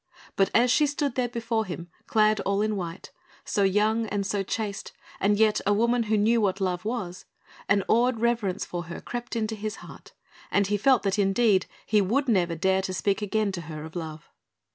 But as she stood there before him, clad all in white, so young and so chaste and yet a woman who knew what love was, an awed reverence for her crept into his heart and he felt that indeed he would never dare to speak again to her of love.